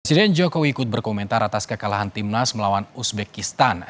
presiden jokowi ikut berkomentar atas kekalahan timnas melawan uzbekistan